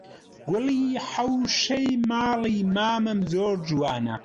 گوڵی حەوشەی ماڵی مامم زۆر جوانە